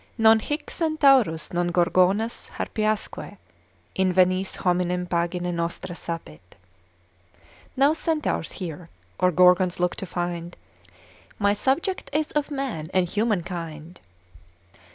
Non hic Centaurus, non Gorgonas, Harpyasque Invenies, hominem pagina nostra sapit. No Centaurs here, or Gorgons look to find, My subject is of man and human kind.